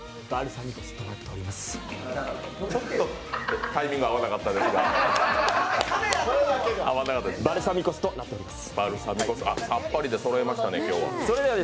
さっぱりでそろえましたね、今日は。